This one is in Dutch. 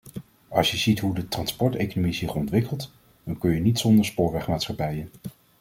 Als je ziet hoe de transporteconomie zich ontwikkelt dan kan je niet zonder spoorwegmaatschappijen.